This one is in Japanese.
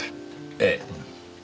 ええ。